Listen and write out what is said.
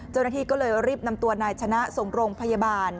เจ้าหน้าที่ก็เลยรีบนำตัวนายชนะส่งโรงพยาบาล